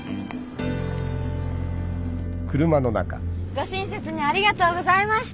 ご親切にありがとうございました。